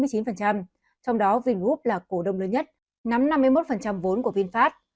trong đó vingroup là cổ đông lớn nhất nắm năm mươi một vốn của vinfast